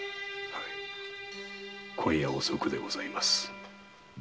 今夜遅くでございます。